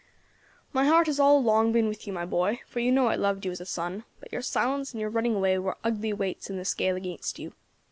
"My heart has all along been with you, my boy, for you know I loved you as a son; but your silence and your running away were ugly weights in the scale against you.